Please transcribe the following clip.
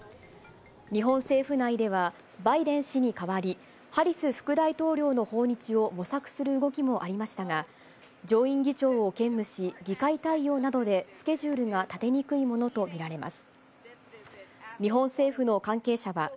日本政府内では、バイデン氏に代わり、ハリス副大統領の訪日を模索する動きもありましたが、上院議長を兼務し、議会対応などでスケジュールが立てにくいものと見られます。